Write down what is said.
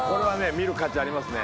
見る価値ありますね。